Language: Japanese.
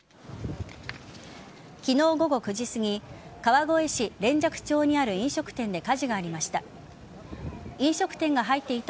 昨日午後９時すぎ川越市連雀町にある飲食店で火事がありました。